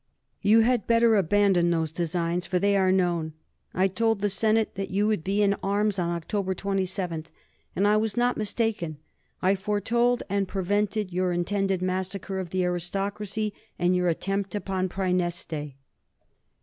_You had better abandon those designs; for they are known. I told the Senate that you would be in arms on Oct. 27, and I was not mistaken. I foretold and prevented your intended massacre of the aristocracy, and your attempt upon Praeneste.